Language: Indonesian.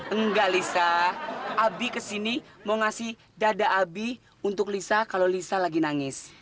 enggak lisa abi kesini mau ngasih dada abi untuk lisa kalau lisa lagi nangis